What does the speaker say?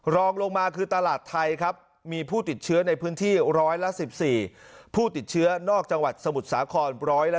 รองลงมาคือตลาดไทยครับมีผู้ติดเชื้อในพื้นที่ร้อยละ๑๔ผู้ติดเชื้อนอกจังหวัดสมุทรสาคร๑๕